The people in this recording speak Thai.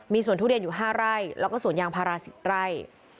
มีสวนทุเรียนอยู่๕ไร่แล้วก็สวนยางพารา๑๐ไร่